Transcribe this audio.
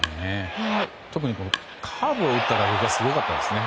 特にカーブを打った打球がすごかったですね。